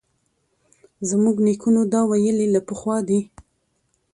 زموږ نیکونو دا ویلي له پخوا دي